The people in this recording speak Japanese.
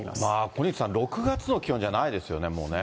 小西さん、６月の気温じゃないですよね、もうね。